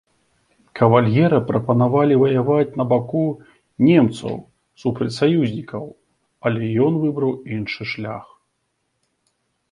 Кавальера прапанавалі ваяваць на баку немцаў супраць саюзнікаў, але ён выбраў іншы шлях.